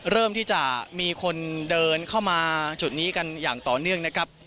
เริ่มที่จะมีคนเดินเข้ามาจุดนี้กันอย่างต่อเนื่องนะครับ